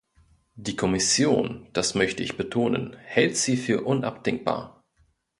Die Kommission das möchte ich betonen hält sie für unabdingbar.